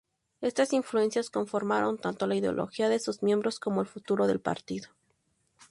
Estas influencias conformaron tanto la ideología de sus miembros como el futuro del partido.